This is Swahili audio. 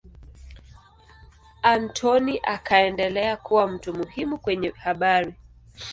Anthony akaendelea kuwa mtu muhimu kwenye habari.